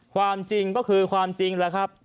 ความจริงก็คือความจริงแล้วครับ